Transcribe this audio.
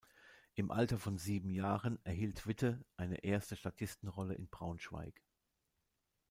Im Alter von sieben Jahren erhielt Witte eine erste Statistenrolle in Braunschweig.